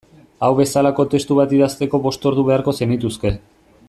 Hau bezalako testu bat idazteko bost ordu beharko zenituzke.